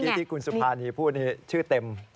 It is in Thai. เมื่อกี้ที่คุณสุภานีพูดชื่อเต็ม